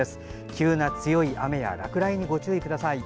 急な強い雨や落雷にご注意ください。